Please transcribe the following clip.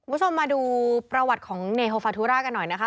วัสดมาดูประวัติของเนโฟฟาทุรากันหน่อยนะคะ